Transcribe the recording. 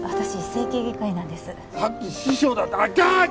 整形外科医なんですさっき司書だって痛い！